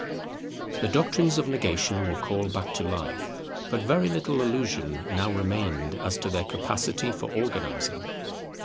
The doctrines of negation were called back to life; but very little illusion now remained as to their capacity for organizing.